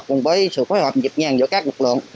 cùng với sự phối hợp nhịp nhàng giữa các lực lượng